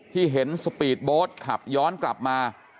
ที่เห็นสปีดโบสต์ขับย้อนกลับมา